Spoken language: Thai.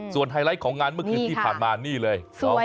ไฮไลท์ของงานเมื่อคืนที่ผ่านมานี่เลย